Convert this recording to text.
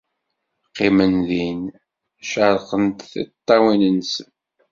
Qqimen din, cerrqen tiṭṭawin-nsen.